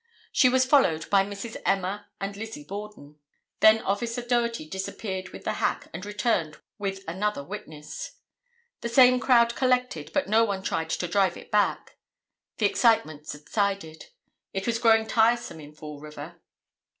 She was followed by Misses Emma and Lizzie Borden. Then Officer Doherty disappeared with the hack and returned with another witness. The same crowd collected but no one tried to drive it back. The excitement subsided. It was growing tiresome in Fall River.